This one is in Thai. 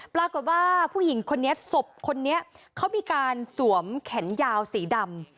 ปรากฏว่าผู้หญิงคนนี้ศพคนนี้เขามีการสวมแขนยาวสีดำ